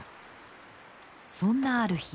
そんなある日。